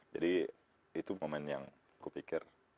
jadi itu momen yang kupikir